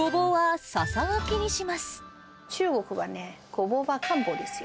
中国はね、ゴボウは漢方ですよ。